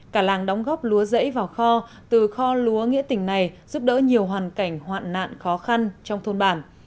cả làng đóng góp lúa rẫy vào kho từ kho lúa nghĩa tình này giúp đỡ nhiều hoàn cảnh hoạn nạn khó khăn trong thôn bản